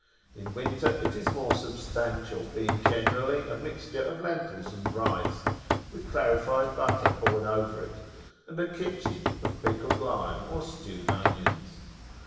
In winter it is more substantial, being generally a mixture of lentils and rice,[FN#35] with clarified butter poured over it, and a 'kitchen' of pickled lime or stewed onions.